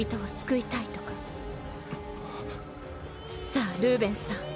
さあルーベンスさん